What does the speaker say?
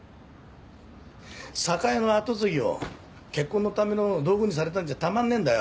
酒屋の跡継ぎを結婚のための道具にされたんじゃたまんねえんだよ。